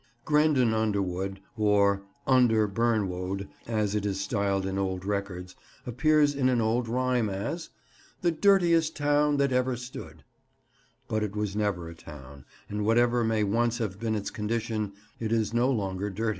Grendon Underwood, or "under Bernwode" as it is styled in old records, appears in an old rhyme as— "The dirtiest town that ever stood," but it was never a town, and, whatever may once have been its condition, it is no longer dirty.